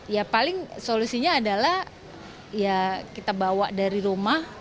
ya paling solusinya adalah ya kita bawa dari rumah